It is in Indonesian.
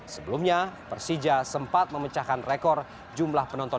sebelumnya persija sempat memecahkan rekor jumlah penonton